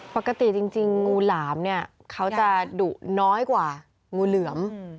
ปกติจริงงูหลามเนี่ยเขาจะดุน้อยกว่างูเหลือม